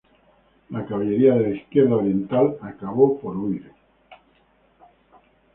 La caballería de la izquierda oriental acabo por huir.